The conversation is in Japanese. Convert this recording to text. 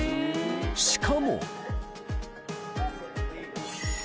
しかも。